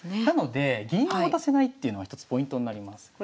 なので銀を渡せないっていうのは一つポイントになります。